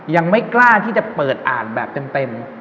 ยังไม่กล้าที่จะเปิดอ่านแบบเต็ม